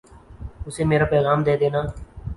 اسے میرا پیغام دے دینا